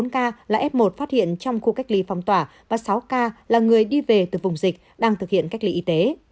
bốn ca là f một phát hiện trong khu cách ly phong tỏa và sáu ca là người đi về từ vùng dịch đang thực hiện cách ly y tế